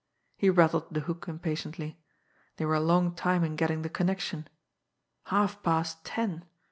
He rattled the hook impatiently. They were a long time in getting the connection! Halfpast ten!